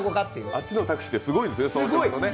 あっちのタクシーって、すごいもんね。